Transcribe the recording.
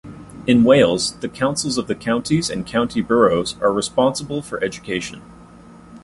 In Wales the councils of the counties and county boroughs are responsible for education.